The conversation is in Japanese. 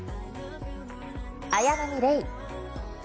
綾波レイ。